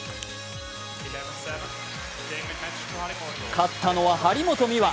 勝ったのは張本美和。